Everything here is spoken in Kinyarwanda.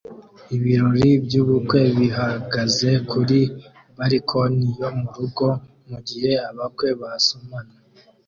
Ibirori byubukwe bihagaze kuri balkoni yo murugo mugihe abakwe basomana